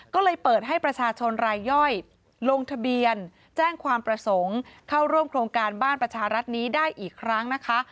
ก็เลยเปิดให้ประชาชนรายย่อยลงทะเบียนแจ้งความประสงค์เข้าร่วมโครงการบ้านประชารัฐนี้ได้อีกครั้งนะคะ